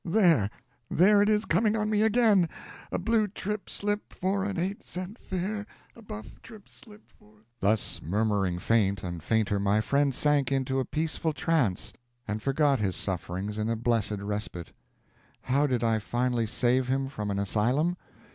There there it is coming on me again: a blue trip slip for an eight cent fare, a buff trip slip for a " Thus murmuring faint and fainter, my friend sank into a peaceful trance and forgot his sufferings in a blessed respite. How did I finally save him from an asylum?